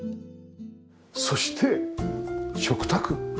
そして食卓。